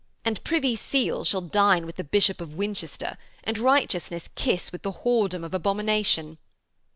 And Privy Seal shall dine with the Bishop of Winchester, and righteousness kiss with the whoredom of abomination.'